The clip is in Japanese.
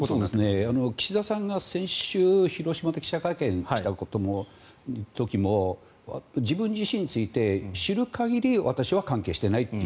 岸田さんが先週広島で記者会見した時も自分自身について知る限り、私は関係してないと。